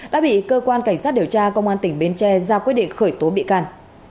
đã bị cơ quan cảnh sát điều tra công an tỉnh bến tre ra quyết định khởi tố bị can